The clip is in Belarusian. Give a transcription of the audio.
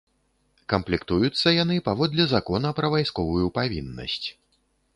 Камплектуюцца яны паводле закона пра вайсковую павіннасць.